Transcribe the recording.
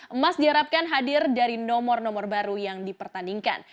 emas diharapkan hadir dari nomor nomor baru yang dipertandingkan